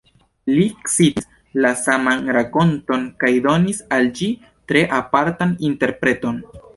Li citis la saman rakonton kaj donis al ĝi tre apartan interpreton.